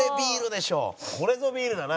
これぞビールだな